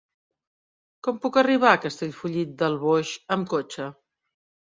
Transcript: Com puc arribar a Castellfollit del Boix amb cotxe?